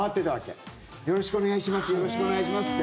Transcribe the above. よろしくお願いしますって。